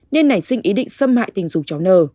nên nảy sinh ý định xâm hại tình xúc